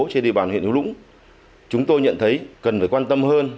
trên địa bàn huyện hữu lũng chúng tôi nhận thấy cần phải quan tâm hơn